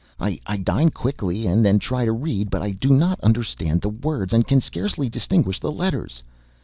I dine quickly, and then try to read, but I do not understand the words, and can scarcely distinguish the letters.